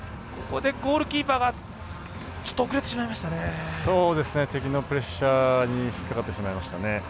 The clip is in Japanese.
ここで、ゴールキーパーがちょっと遅れてしまいましたね。